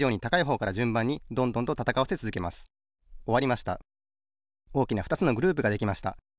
おおきなふたつのグループができました。